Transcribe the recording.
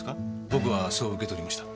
僕はそう受け取りました。